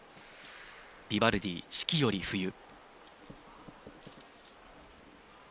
ビバルディ「四季」より「冬」。